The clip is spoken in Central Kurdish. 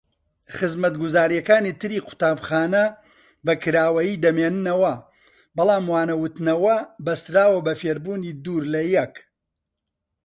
خزمەتگوزاریەکانی تری قوتابخانە بەکراوەیی دەمینێنەوە بەڵام وانەوتنەوە بەستراوە بە فێربوونی دوور لەیەک.